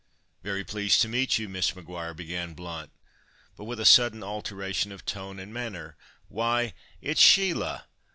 "Very pleased to meet you, Miss Maguire," began Blount, but, with a sudden alteration of tone and manner, "Why, it's Sheila!